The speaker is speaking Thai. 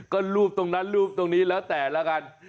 ก็รูปตรงนั้นรูปตรงนี้แล้วแต่ละกัน